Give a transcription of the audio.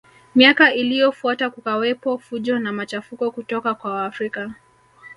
Miaka iliyofuata kukawepo fujo na machafuko kutoka kwa Waafrika